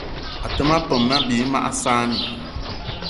Até ma peum ne bí mag saanì